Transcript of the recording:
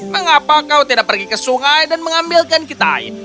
mengapa kau tidak pergi ke sungai dan mengambilkan kita air